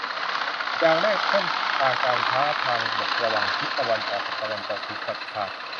อย่างแรก เส้นทางการค้าทางบกระหว่างทิศตะวันออกกับตะวันตกถูกตัดขาด